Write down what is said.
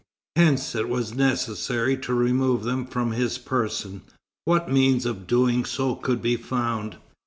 Hence it was necessary to remove them from his person. What means of doing so could be found?